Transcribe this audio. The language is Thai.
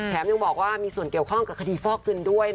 ยังบอกว่ามีส่วนเกี่ยวข้องกับคดีฟอกเงินด้วย